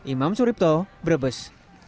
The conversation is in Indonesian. imam suripto brebes